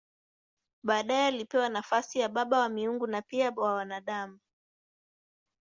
Baadaye alipewa nafasi ya baba wa miungu na pia wa wanadamu.